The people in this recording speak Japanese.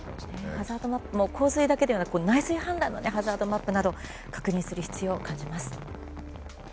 ハザードマップも洪水だけでなく内水氾濫のハザードマップを確認する必要を感じます。